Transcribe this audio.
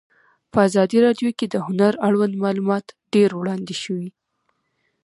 په ازادي راډیو کې د هنر اړوند معلومات ډېر وړاندې شوي.